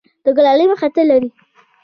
د کلالۍ مهارت لری؟